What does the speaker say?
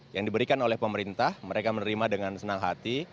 yang diberikan oleh pemerintah mereka menerima dengan senang hati